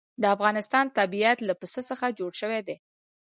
د افغانستان طبیعت له پسه څخه جوړ شوی دی.